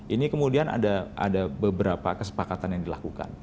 ini kemudian ada beberapa kesepakatan yang dilakukan